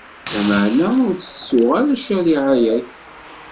Lameɛna ur ttettuɣ ara ccariɛa-k.